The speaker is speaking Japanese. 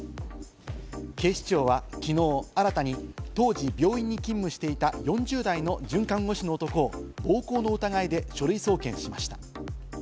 警視庁は昨日、新たに当時病院に勤務していた４０代の准看護師の男を暴行の疑いで書類送検しました。